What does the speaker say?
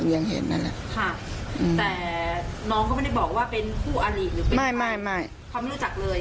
หรือเป็นใครเขาไม่รู้จักเลย